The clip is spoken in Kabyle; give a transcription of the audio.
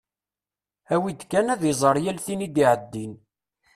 Awi-d kan ad iẓer yal tin i d-iɛeddin.